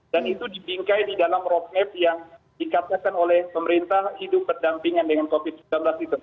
dan itu dibingkai di dalam rocap yang dikatakan oleh pemerintah hidup berdampingan dengan covid sembilan belas itu